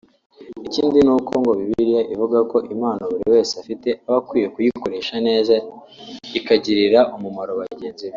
Ikindi nuko ngo Bibiliya ivuga ko impano buri wese afite aba akwiye kuyikoresha neza ikagirira umumaro bagenzi be